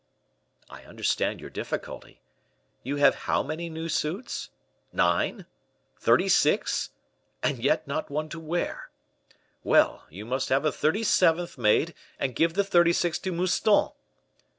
"I understand your difficulty. You have how many new suits? nine? thirty six? and yet not one to wear. Well, you must have a thirty seventh made, and give the thirty six to Mouston."